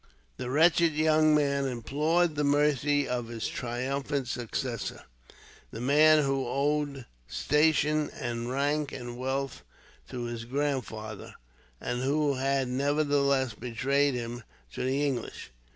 The wretched young man implored the mercy of his triumphant successor, the man who owed station and rank and wealth to his grandfather; and who had, nevertheless, betrayed him to the English.